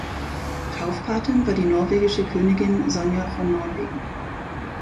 Taufpatin war die norwegische Königin Sonja von Norwegen.